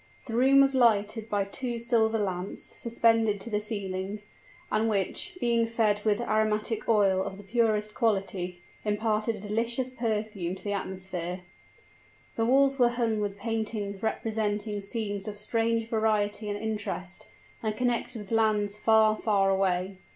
The room was lighted by two silver lamps suspended to the ceiling, and which, being fed with aromatic oil of the purest quality, imparted a delicious perfume to the atmosphere. The walls were hung with paintings representing scenes of strange variety and interest, and connected with lands far far away.